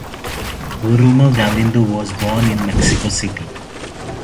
Guillermo Galindo was born in Mexico City.